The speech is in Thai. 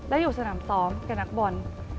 และอยู่สนามซ้อมกับนักบอล